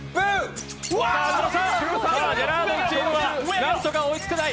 ジェラードンチームは何とか追いつきたい。